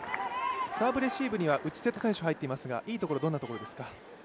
サーブレシーブには内瀬戸選手入っていますがいいところはどんなところですか。